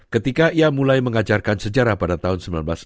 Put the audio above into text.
ketika ia mulai mengajarkan sejarah pada tahun seribu sembilan ratus sembilan puluh